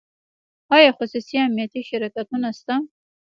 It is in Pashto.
آیا خصوصي امنیتي شرکتونه شته؟